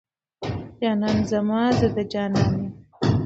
جانان زما، زه د جانان يم